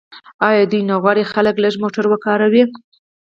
آیا دوی نه غواړي خلک لږ موټر وکاروي؟